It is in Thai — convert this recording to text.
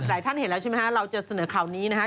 ท่านเห็นแล้วใช่ไหมฮะเราจะเสนอข่าวนี้นะครับ